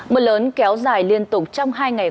mưa lớn kéo dài liên tục trong hai ngày qua